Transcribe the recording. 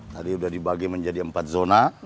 tadi sudah dibagi menjadi empat zona